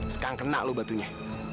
sekarang kena lu batunya